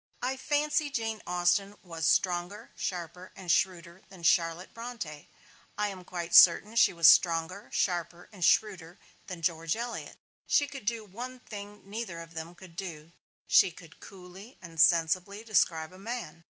I fancy Jane Austen was stronger, sharper and shrewder than Charlotte Bronte; I am quite certain she was stronger, sharper and shrewder than George Eliot. She could do one thing neither of them could do: she could coolly and sensibly describe a man.